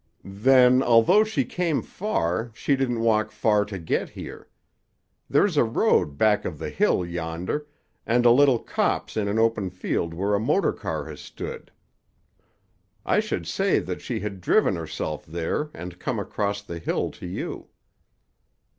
"Then, although she came far, she didn't walk far to get here. There's a road back of the hill yonder, and a little copse in an open field where a motor car has stood. I should say that she had driven herself there and come across the hill to you."